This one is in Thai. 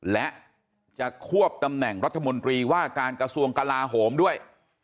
และจะควบตำแหน่งรัฐมนตรีว่าการกระทรวงกลาโหมด้วย